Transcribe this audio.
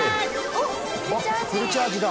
あっフルチャージだ！